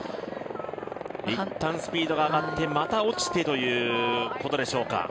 いったん、スピードが上がってまた落ちてということでしょうか。